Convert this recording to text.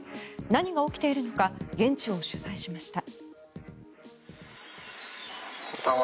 何が起きているのか現地を取材しました。